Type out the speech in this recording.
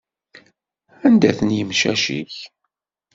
Anda-ten yimcac-ik?